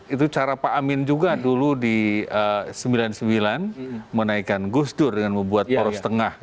itu cara pak amin juga dulu di sembilan puluh sembilan menaikkan gus dur dengan membuat poros tengah